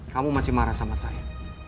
kamu masih marah sama saya